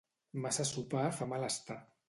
Massa sopar fa mal estar.